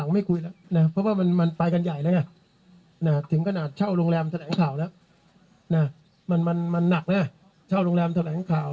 มันก็ทำให้เกิดความสับสนแล้ว